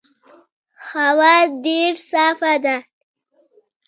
هوا ډېر صافه ده.